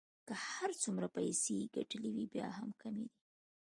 که هر څومره پیسې يې ګټلې وې بیا هم کمې دي.